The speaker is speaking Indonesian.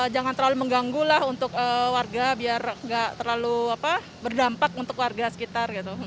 jangan terlalu mengganggu lah untuk warga biar nggak terlalu berdampak untuk warga sekitar gitu